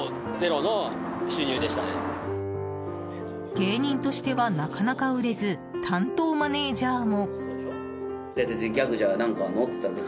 芸人としてはなかなか売れず担当マネジャーも。